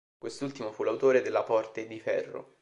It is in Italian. Quest'ultimo fu l'autore della porte di ferro.